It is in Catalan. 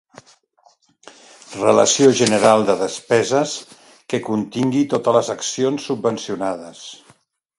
Relació general de despeses que contingui totes les accions subvencionades.